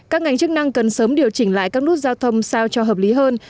các ngành chức năng cần sớm điều chỉnh lại các nút giao thông sao cho hợp lý hơn